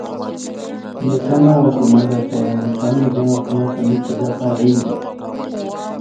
Yachanawasimanta chayamushpami llamakunata michinkapak rini